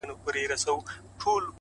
o ما پر اوو دنياوو وسپارئ. خبر نه وم خو.